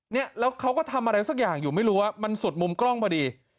เนี่ยแล้วเขาก็ทำอะไรสักอย่างอยู่ไม่รู้ว่ามันสุดมุมกล้องพอดี